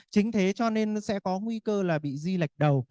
chính thế cho nên sẽ có nguy cơ là bị di lệch đầu